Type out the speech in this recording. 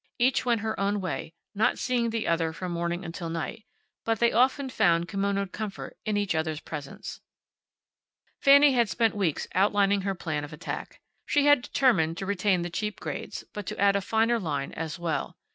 Each went her own way, not seeing the other from morning until night, but they often found kimonoed comfort in each other's presence. Fanny had spent weeks outlining her plan of attack. She had determined to retain the cheap grades, but to add a finer line as well.